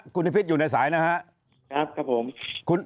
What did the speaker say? คุณนิพิษอยู่ในสายนะครับผม